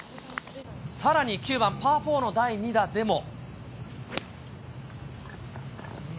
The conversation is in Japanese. さらに９番パー４の第２打でも。